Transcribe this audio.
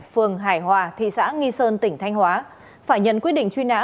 phường hải hòa thị xã nghi sơn tỉnh thanh hóa phải nhận quyết định truy nã